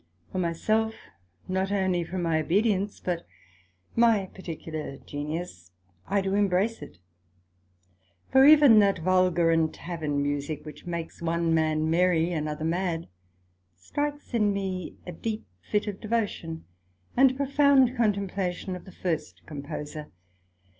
For my self, not only from my obedience, but my particular Genius, I do embrace it: for even that vulgar and Tavern Musick, which makes one man merry, another mad, strikes in me a deep fit of devotion, and a profound contemplation of the first Composer.